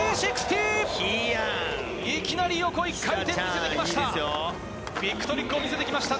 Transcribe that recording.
いきなり横１回転を見せてきました。